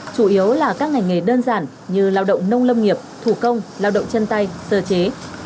chủ yếu là các ngành nghề đơn giản như lao động nông lâm nghiệp thủ công lao động chân tay sơ chế